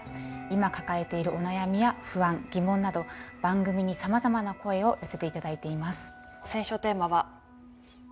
今抱えているお悩みや不安疑問など番組にさまざまな声を寄せて頂いています。